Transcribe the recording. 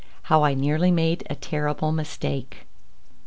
HOW I NEARLY MADE A TERRIBLE MISTAKE.